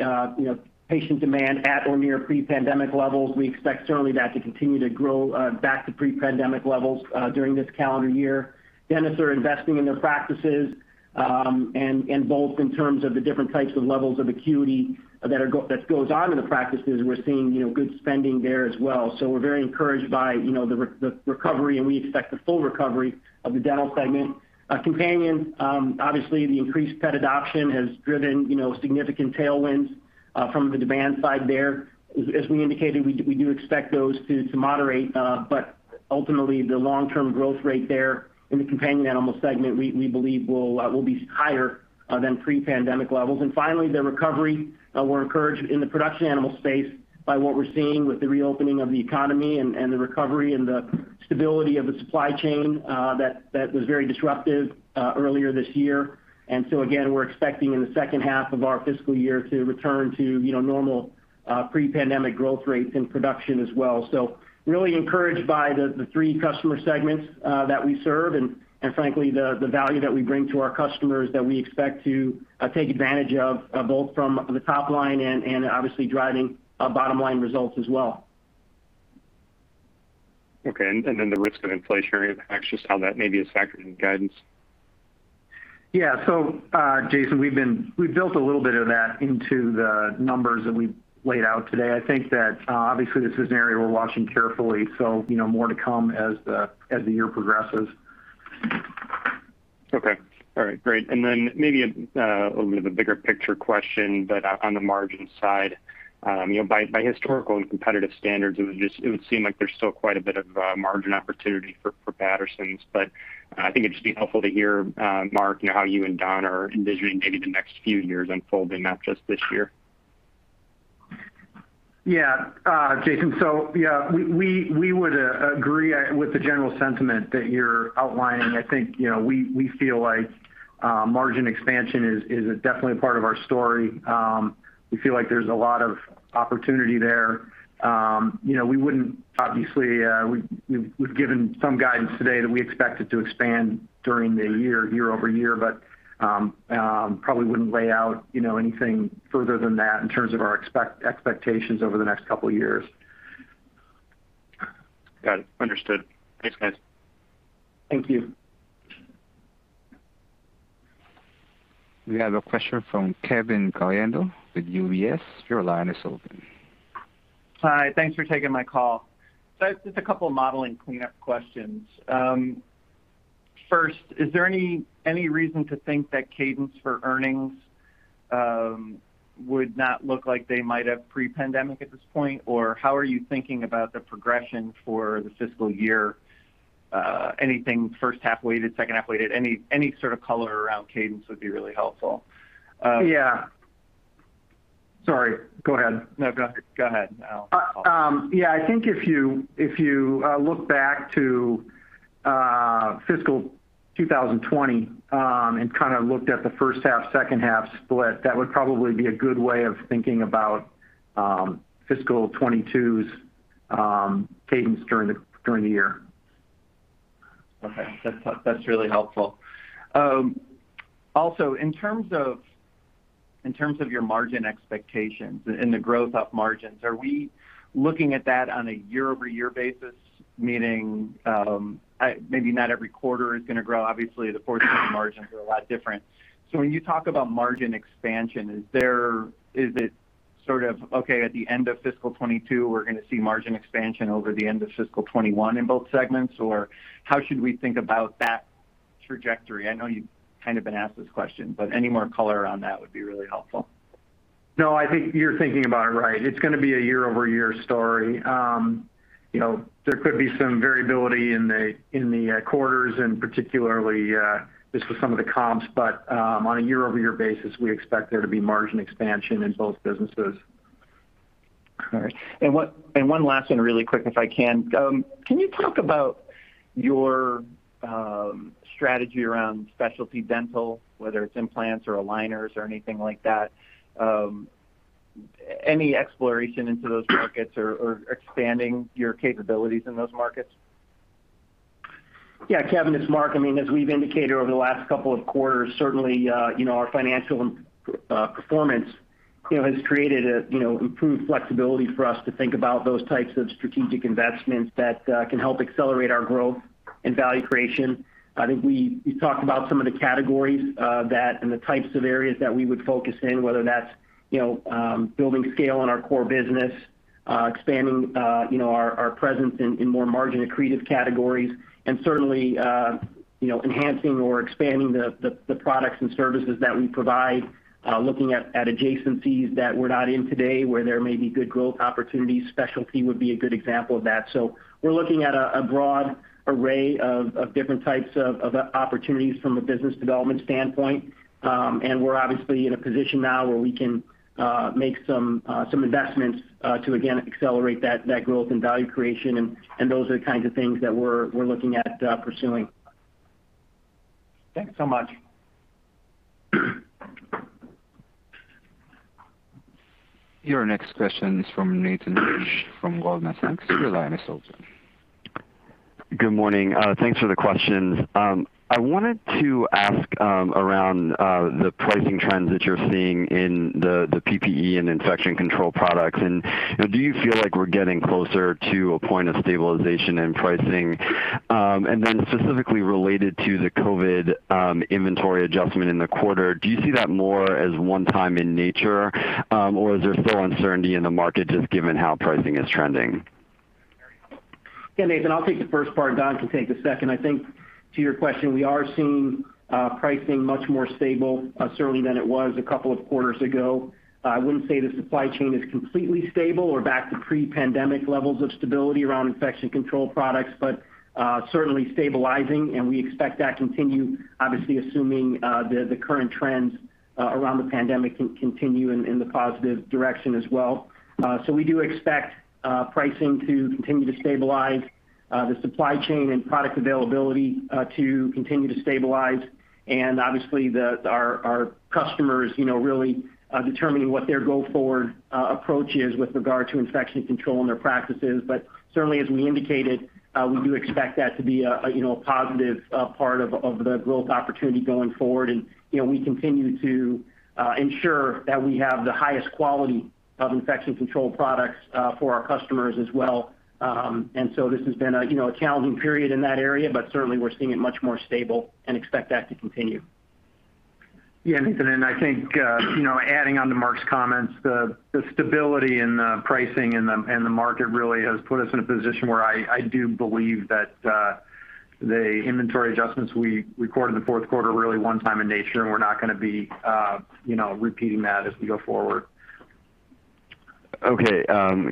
patient demand at or near pre-pandemic levels. We expect certainly that to continue to grow back to pre-pandemic levels during this calendar year. Dentists are investing in their practices, both in terms of the different types of levels of acuity that goes on in the practices, we're seeing good spending there as well. We're very encouraged by the recovery, and we expect a full recovery of the Dental segment. Companion, obviously the increased pet adoption has driven significant tailwinds from the demand side there. As we indicated, we do expect those to moderate. Ultimately, the long-term growth rate there in the Companion Animal segment, we believe will be higher than pre-pandemic levels. Finally, the recovery. We're encouraged in the Production Animal space by what we're seeing with the reopening of the economy and the recovery and the stability of the supply chain that was very disruptive earlier this year. Again, we're expecting in the second half of our fiscal year to return to normal pre-pandemic growth rates in Production as well. Really encouraged by the three customer segments that we serve and frankly, the value that we bring to our customers that we expect to take advantage of, both from the top-line and obviously driving bottom-line results as well. Okay, the risk of inflationary impacts, just how that maybe has factored into guidance? Jason, we built a little bit of that into the numbers that we laid out today. I think that obviously this is an area we're watching carefully. More to come as the year progresses. Okay. All right, great. Maybe a little bit of a bigger picture question, but on the margin side. By historical and competitive standards, it would seem like there's still quite a bit of margin opportunity for Patterson, but I think it'd just be helpful to hear, Mark, how you and Don are envisioning maybe the next few years unfolding, not just this year. Jason, we would agree with the general sentiment that you're outlining. I think we feel like margin expansion is definitely part of our story. We feel like there's a lot of opportunity there. Obviously, we've given some guidance today that we expect it to expand during the year-over-year, but probably wouldn't lay out anything further than that in terms of our expectations over the next couple of years. Got it. Understood. Thanks, guys. Thank you. We have a question from Kevin Caliendo with UBS. Your line is open. Hi, thanks for taking my call. Just a couple of modeling cleanup questions. First, is there any reason to think that cadence for earnings would not look like they might have pre-pandemic at this point? How are you thinking about the progression for the fiscal year? Anything first [half weight to second half weight], any sort of color around cadence would be really helpful. Yeah. Sorry, go ahead. No, go ahead. Yeah, I think if you look back to fiscal 2020 and looked at the first half/second half split, that would probably be a good way of thinking about fiscal 2022's cadence during the year. Okay. That's really helpful. In terms of your margin expectations and the growth of margins, are we looking at that on a year-over-year basis? Meaning maybe not every quarter is going to grow. Obviously, the fourth quarter margins are a lot different. When you talk about margin expansion, is it sort of okay, at the end of fiscal 2022, we're going to see margin expansion over the end of fiscal 2021 in both segments? How should we think about that trajectory? I know you've kind of been asked this question, any more color on that would be really helpful. No, I think you're thinking about it right. It's going to be a year-over-year story. There could be some variability in the quarters, and particularly just with some of the comps. On a year-over-year basis, we expect there to be margin expansion in both businesses. All right. One last one really quick, if I can. Can you talk about your strategy around specialty dental, whether it's implants or aligners or anything like that? Any exploration into those markets or expanding your capabilities in those markets? Yeah, Kevin, it's Mark. As we've indicated over the last couple of quarters, certainly our financial performance has created improved flexibility for us to think about those types of strategic investments that can help accelerate our growth and value creation. I think we talked about some of the categories of that and the types of areas that we would focus in, whether that's building scale in our core business, expanding our presence in more margin-accretive categories, and certainly enhancing or expanding the products and services that we provide, looking at adjacencies that we're not in today where there may be good growth opportunities. Specialty would be a good example of that. We're looking at a broad array of different types of opportunities from a business development standpoint. We're obviously in a position now where we can make some investments to, again, accelerate that growth and value creation, and those are the kinds of things that we're looking at pursuing. Thanks so much. Your next question is from Nathan Rich from Goldman Sachs. Your line is open. Good morning. Thanks for the questions. I wanted to ask around the pricing trends that you're seeing in the PPE and infection control products, and do you feel like we're getting closer to a point of stabilization in pricing? Specifically related to the COVID inventory adjustment in the quarter, do you see that more as one-time in nature? Or is there still uncertainty in the market, just given how pricing is trending? Yeah, Nathan, I'll take the first part. Don can take the second. I think to your question, we are seeing pricing much more stable certainly than it was a couple of quarters ago. I wouldn't say the supply chain is completely stable or back to pre-pandemic levels of stability around infection control products. Certainly stabilizing, and we expect that to continue, obviously assuming the current trends around the pandemic can continue in the positive direction as well. We do expect pricing to continue to stabilize, the supply chain and product availability to continue to stabilize, and obviously our customers really determining what their go forward approach is with regard to infection control in their practices. Certainly as we indicated, we do expect that to be a positive part of the growth opportunity going forward. We continue to ensure that we have the highest quality of infection control products for our customers as well. This has been a challenging period in that area, but certainly we're seeing it much more stable and expect that to continue. Yeah, Nathan, I think, adding onto Mark's comments, the stability in the pricing and the market really has put us in a position where I do believe that the inventory adjustments we recorded in the fourth quarter are really one-time in nature, and we're not going to be repeating that as we go forward. Okay,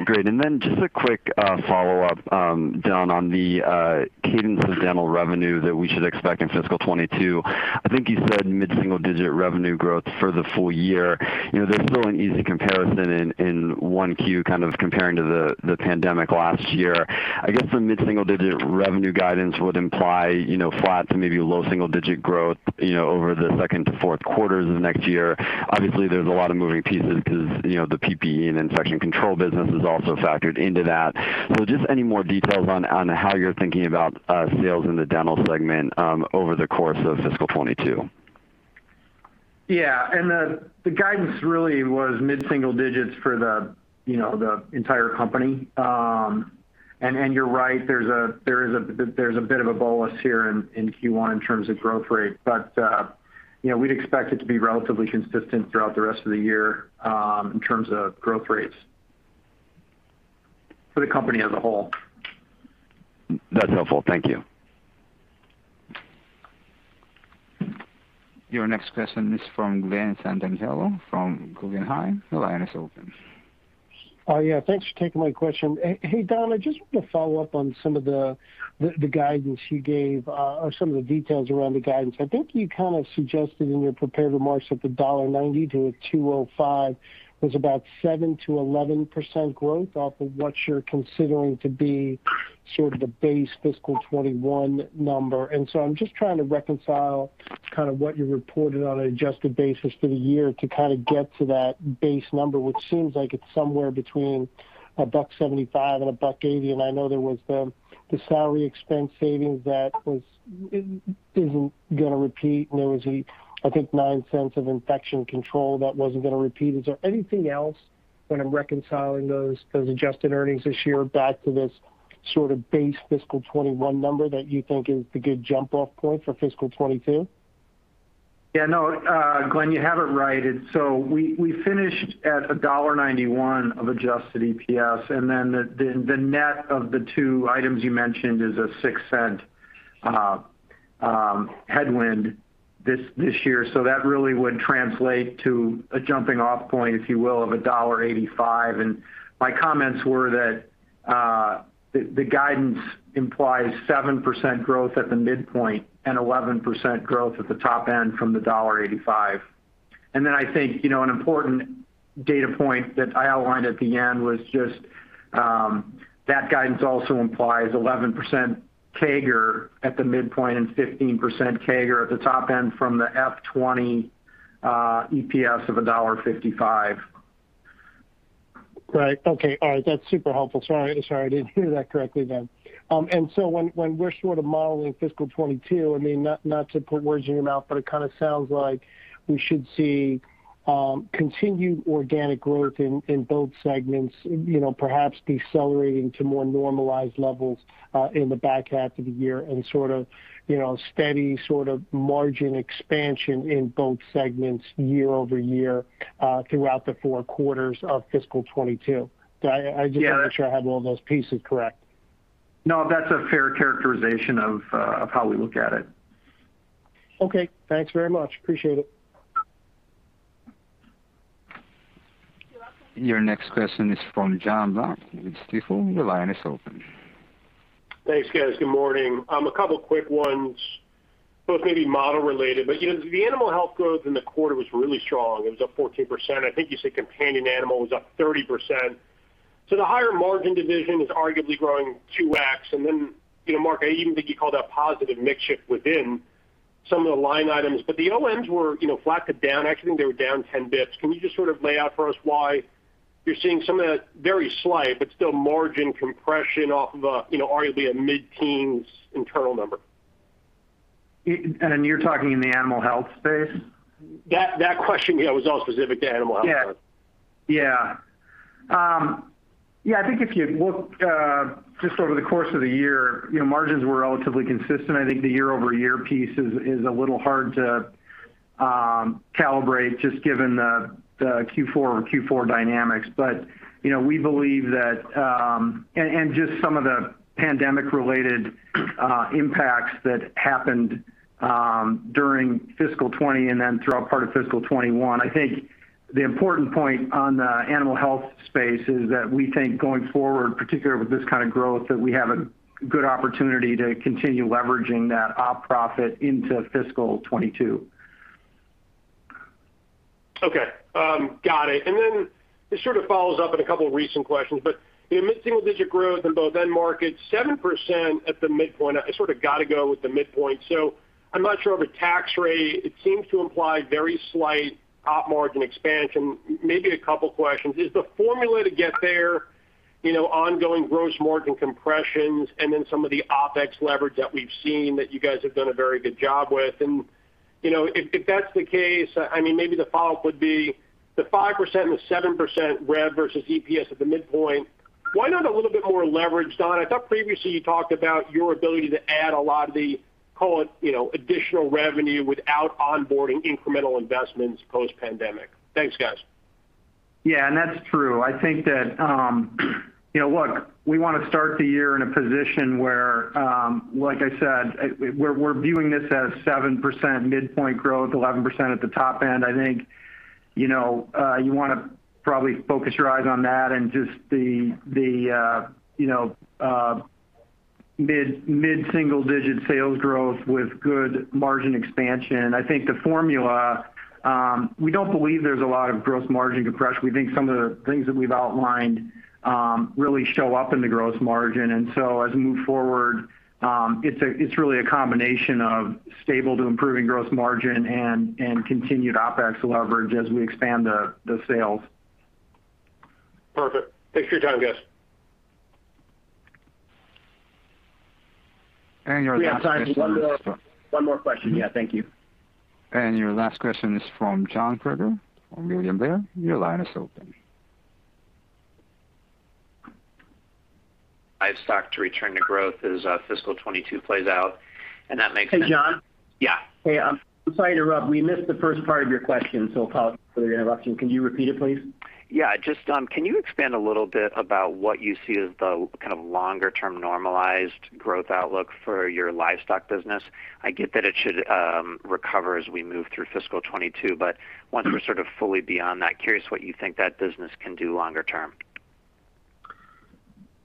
great. Just a quick follow-up, Don, on the cadence of dental revenue that we should expect in fiscal 2022. I think you said mid-single-digit revenue growth for the full-year. There's still an easy comparison in 1Q, kind of comparing to the pandemic last year. I guess the mid-single-digit revenue guidance would imply flat to maybe low-single-digit growth over the second to fourth quarters of next year. Obviously, there's a lot of moving pieces because the PPE and infection control business is also factored into that. Just any more details on how you're thinking about sales in the Dental segment over the course of fiscal 2022? Yeah. The guidance really was mid-single-digits for the entire company. You're right, there's a bit of a bolus here in Q1 in terms of growth rate. We'd expect it to be relatively consistent throughout the rest of the year in terms of growth rates for the company as a whole. That's helpful. Thank you. Your next question is from Glen Santangelo from Guggenheim. Your line is open. Yeah. Thanks for taking my question. Hey, Don, I just want to follow-up on some of the guidance you gave, or some of the details around the guidance. I think you kind of suggested in your prepared remarks that the $1.90-$2.05 was about 7%-11% growth off of what you're considering to be sort of the base fiscal 2021 number. I'm just trying to reconcile kind of what you reported on an adjusted basis for the year to kind of get to that base number, which seems like it's somewhere between a $1.75 and $1.80. I know there was the salary expense savings that isn't going to repeat, and there was a, I think, $0.09 of infection control that wasn't going to repeat. Is there anything else when I'm reconciling those adjusted earnings this year back to this sort of base fiscal 2021 number that you think is the good jump-off point for fiscal 2022? Yeah. Glen, you have it right. We finished at $1.91 of adjusted EPS, and then the net of the two items you mentioned is a $0.06 headwind this year. That really would translate to a jumping-off point, if you will, of $1.85. My comments were that the guidance implies 7% growth at the midpoint and 11% growth at the top-end from the $1.85. I think an important data point that I outlined at the end was just that guidance also implies 11% CAGR at the midpoint and 15% CAGR at the top-end from the FY 2020 EPS of $1.55. Right. Okay. All right. That's super helpful. Sorry I didn't hear that correctly then. When we're sort of modeling fiscal 2022, not to put words in your mouth, but it kind of sounds like we should see continued organic growth in both segments, perhaps decelerating to more normalized levels in the back half of the year and sort of steady margin expansion in both segments year-over-year, throughout the four quarters of fiscal 2022. I just want to make sure I have all those pieces correct. No, that's a fair characterization of how we look at it. Okay. Thanks very much. Appreciate it. You're welcome. Your next question is from Jon Block with Stifel. Your line is open. Thanks, guys. Good morning. A couple quick ones, both maybe model related. The Animal Health growth in the quarter was really strong. It was up 14%. I think you said Companion Animal was up 30%. The higher margin division is arguably growing 2x. Mark, I even think you called out positive mix shift within some of the line items, but the OMs were flat to down. I actually think they were down 10 basis points. Can you just sort of lay out for us why you're seeing some of that very slight, but still margin compression off of arguably a mid-teens internal number? You're talking in the Animal Health space? That question, yeah, was all specific to Animal Health. Yeah. I think if you look just over the course of the year, margins were relatively consistent. I think the year-over-year piece is a little hard to calibrate just given the Q4-over-Q4 dynamics. We believe that and just some of the pandemic related impacts that happened during fiscal 2020 and then throughout part of fiscal 2021. I think the important point on the Animal Health space is that we think going forward, particularly with this kind of growth, that we have a good opportunity to continue leveraging that op profit into fiscal 2022. Okay. Got it. Then this sort of follows-up on a couple recent questions, but mid-single-digit growth in both end markets, 7% at the midpoint. I sort of got to go with the midpoint. I'm not sure of a tax rate. It seems to imply very slight op margin expansion. Maybe a couple questions. Is the formula to get there ongoing gross margin compressions and then some of the OpEx leverage that we've seen that you guys have done a very good job with? If that's the case, maybe the follow-up would be the 5% and the 7% rev versus EPS at the midpoint. Why not a little bit more leverage, Don? I thought previously you talked about your ability to add a lot of the, call it, additional revenue without onboarding incremental investments post-pandemic. Thanks, guys. That's true. I think that we want to start the year in a position where, like I said, we're viewing this as 7% mid-point growth, 11% at the top-end. I think you want to probably focus your eyes on that and just the mid-single-digit sales growth with good margin expansion. I think the formula, we don't believe there's a lot of gross margin compression. We think some of the things that we've outlined really show up in the gross margin. As we move forward, it's really a combination of stable to improving gross margin and continued OpEx leverage as we expand the sales. Perfect. Thanks for your time, guys. Your last question. We have time for one more question. Yeah. Thank you. Your last question is from John Kreger from William Blair. Your line is open. Livestock to return to growth as fiscal 2022 plays out. Hey, John? Yeah. Hey, I'm sorry to interrupt. We missed the first part of your question. Apologies for the interruption. Can you repeat it, please? Just can you expand a little bit about what you see as the kind of longer-term normalized growth outlook for your Livestock business? I get that it should recover as we move through fiscal 2022, once we're sort of fully beyond that, curious what you think that business can do longer-term.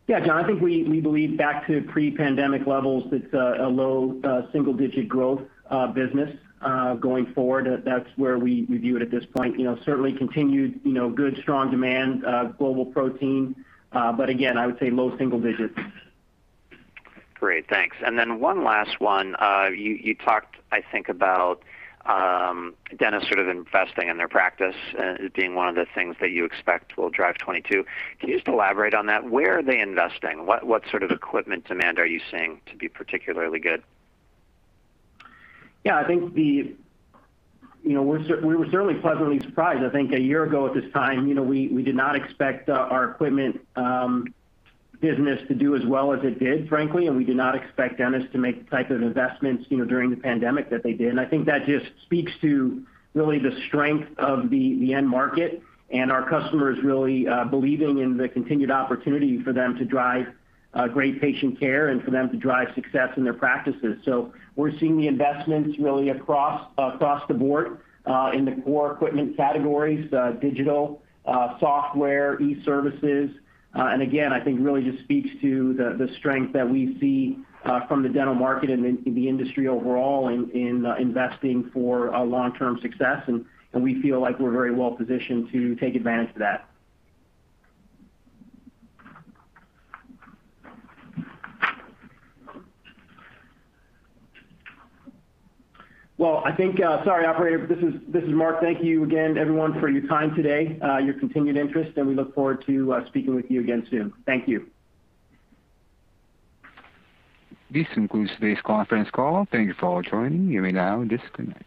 Yeah, John, I think we believe back to pre-pandemic levels, it's a low-single-digit growth business going forward. That's where we view it at this point. Certainly continued good, strong demand, global protein, but again, I would say low-single-digits. Great. Thanks. One last one. You talked, I think, about dentists sort of investing in their practice as being one of the things that you expect will drive 2022. Can you just elaborate on that? Where are they investing? What sort of equipment demand are you seeing to be particularly good? Yeah, we were certainly pleasantly surprised. I think a year ago at this time, we did not expect our equipment business to do as well as it did, frankly, and we did not expect dentists to make the type of investments during the pandemic that they did. I think that just speaks to really the strength of the end market and our customers really believing in the continued opportunity for them to drive great patient care and for them to drive success in their practices. We're seeing the investments really across the board in the core equipment categories, digital, software, e-services. Again, I think it really just speaks to the strength that we see from the dental market and the industry overall in investing for long-term success, and we feel like we're very well positioned to take advantage of that. Well, sorry operator, this is Mark. Thank you again, everyone, for your time today, your continued interest, and we look forward to speaking with you again soon. Thank you. This concludes today's conference call. Thank you for joining. You may now disconnect.